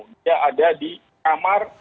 tidak ada di kamar